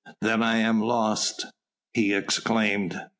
"Then am I lost!" he exclaimed.